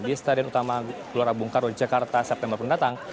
di stadion utama keluarga bung karo di jakarta september berdatang